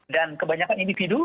dan kebanyakan individu